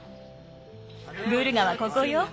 グルガはここよ。